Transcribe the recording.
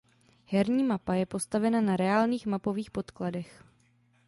Herní mapa je postavena na reálných mapových podkladech.